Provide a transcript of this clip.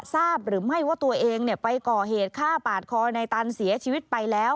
ทราบหรือไม่ว่าตัวเองไปก่อเหตุฆ่าปาดคอในตันเสียชีวิตไปแล้ว